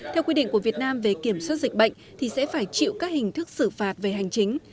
theo quy định của việt nam về kiểm soát dịch bệnh thì sẽ phải chịu các hình thức xử phạt về hành chính